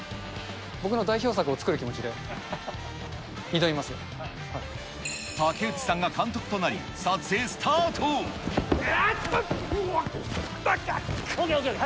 僕の代表作を作る気持ちで挑竹内さんが監督となり、うわっ。ＯＫ、ＯＫ。